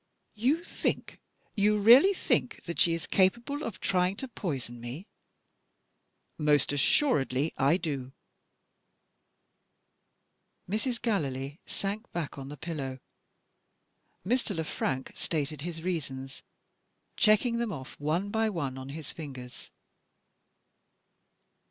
"You think you really think that she is capable of trying to poison me?" "Most assuredly I do." Mrs. Gallilee sank back on the pillow. Mr. Le Frank stated his reasons; checking them off, one by one, on his fingers.